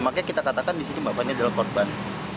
makanya kita katakan di sini mbak fani adalah korban